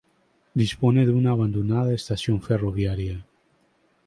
Dispone de una abandonada estación ferroviaria.